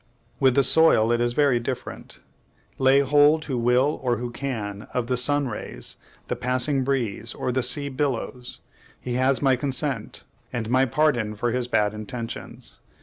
With the soil, it is very different. Lay hold who will, or who can, of the sun's rays, the passing breeze, or the sea's billows; he has my consent, and my pardon for his bad intentions.